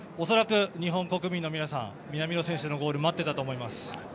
恐らく日本国民の皆さん南野選手のゴール待っていたと思います。